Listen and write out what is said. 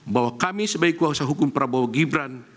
bahwa kami sebagai kuasa hukum prabowo gibran